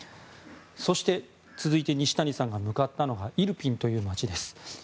そして、続いて西谷さんが向かったのがイルピンという街です。